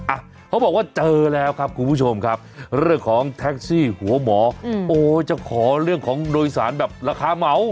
อ่ะเขาบอกว่าเจอแล้วครับคุณผู้ชมครับเรื่องของแท็กซี่หัวหมอโอ้จะขอเรื่องของโดยสารแบบราคาเหมา